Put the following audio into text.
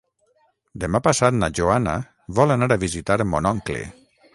Demà passat na Joana vol anar a visitar mon oncle.